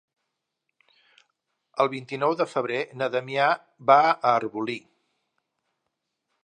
El vint-i-nou de febrer na Damià va a Arbolí.